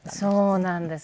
そうなんです。